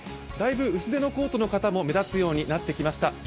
だいぶ薄手のコートの方も目立つようになりました。